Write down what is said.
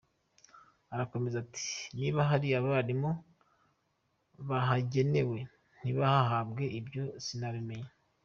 Arakomeza ati “Niba hari abarimu bahagenewe ntibahahabwe, ibyo sinabimenya.